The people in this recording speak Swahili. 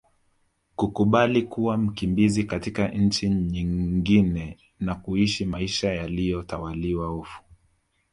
Kukubali kuwa mkimbizi katika nchi nyingine na kuishi maisha yaliyo tawaliwa hofu